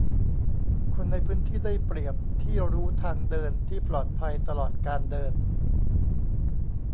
คนในพื้นที่ได้เปรียบที่รู้ทางเดินที่ปลอดภัยตลอดการเดิน